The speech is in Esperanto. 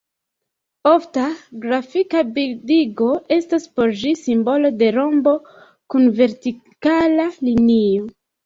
Ofta grafika bildigo estas por ĝi simbolo de rombo kun vertikala linio.